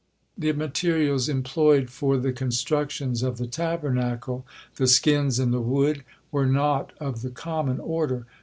The materials employed for the constructions of the Tabernacle, the skins and the wood, were not of the common order.